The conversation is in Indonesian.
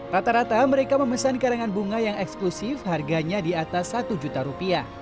rata rata mereka memesan karangan bunga yang eksklusif harganya di atas satu juta rupiah